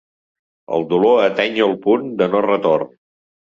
El dolor ateny el punt de no retorn.